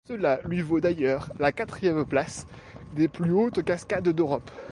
Cela lui vaut d’ailleurs la quatrième place des plus hautes cascades d’Europe.